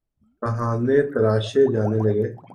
بہانے تراشے جانے لگے۔